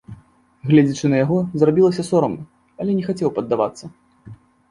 Гледзячы на яго, зрабілася сорамна, але не хацеў паддавацца.